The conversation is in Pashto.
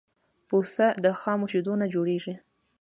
پوڅه د خامو شیدونه جوړیږی.